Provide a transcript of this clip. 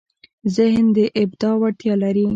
ذهن د ابداع وړتیا لري.